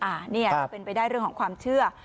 อ่าเนี่ยเป็นไปได้เรื่องของความเชื่อ